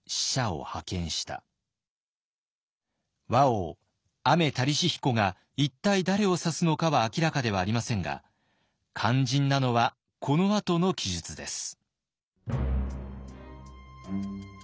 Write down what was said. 倭王アメタリシヒコが一体誰を指すのかは明らかではありませんが肝心なのはこのあとの記述です。